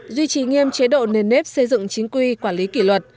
duy trì nghiêm chế độ nền nếp xây dựng chính quy quản lý kỷ luật